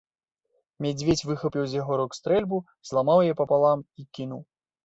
Мядзведзь выхапіў з яго рук стрэльбу, зламаў яе папалам і кінуў.